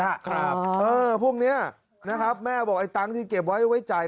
ครับเออพวกเนี้ยนะครับแม่บอกไอ้ตังค์ที่เก็บไว้ไว้จ่าย